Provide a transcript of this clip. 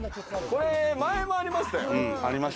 これ、前もありましたよ。